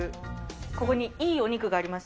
ここにいいお肉があります。